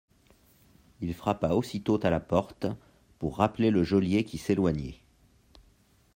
Il frappa aussitôt à la porte pour rappeler le geôlier qui s'éloignait.